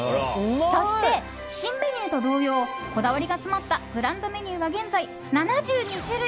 そして新メニューと同様こだわりが詰まったグランドメニューは現在７２種類。